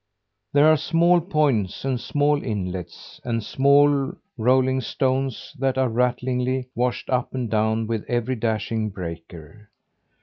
There are small points, and small inlets, and small rolling stones that are rattlingly washed up and down with every dashing breaker.